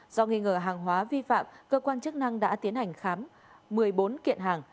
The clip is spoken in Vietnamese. do nghi ngờ hàng hóa vi phạm cơ quan chức năng đã tiến hành khám một mươi bốn kiện hàng